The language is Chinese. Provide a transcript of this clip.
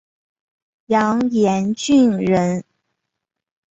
杨延俊人。